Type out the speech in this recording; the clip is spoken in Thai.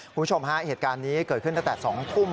คุณผู้ชมฮะเหตุการณ์นี้เกิดขึ้นตั้งแต่๒ทุ่ม